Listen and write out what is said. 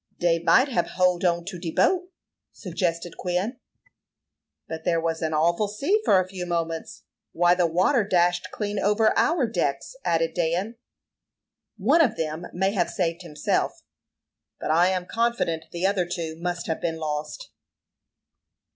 "Dey might hab hold on to de boat," suggested Quin. "But there was an awful sea for a few moments. Why, the water dashed clean over our decks," added Dan. "One of them may have saved himself, but I am confident the other two must have been lost."